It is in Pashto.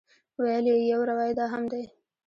ویل یې یو روایت دا هم دی.